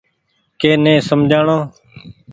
ڪي ني سمجهاڻو ۔